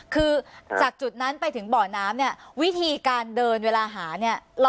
คือจากจุดนั้นไปถึงบ่อน้ำเนี่ยวิธีการเดินเวลาหาเนี่ย